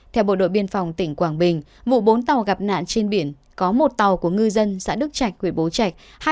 theo bộ đội biên phòng tỉnh quảng bình vụ bốn tàu gặp nạn trên biển có một tàu của ngư dân xã đức trạch huyện bố trạch